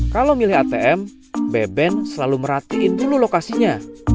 kalau milih atm beben selalu merhatiin dulu lokasinya